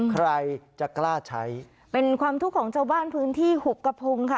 ใครจะกล้าใช้เป็นความทุกข์ของชาวบ้านพื้นที่หุบกระพงค่ะ